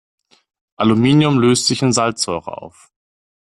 Aluminium löst sich in Salzsäure auf.